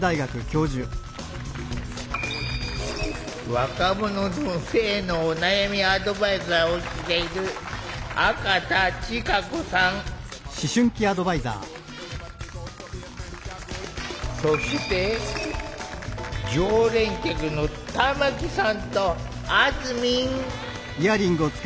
若者の性のお悩みアドバイザーをしているそして常連客の玉木さんとあずみん。